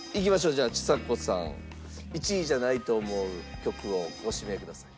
じゃあちさ子さん１位じゃないと思う曲をご指名ください。